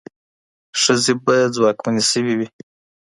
ښځې به ځواکمنې شوې وي.